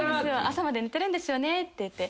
朝まで寝てるんですよねって言って。